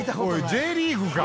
Ｊリーグか！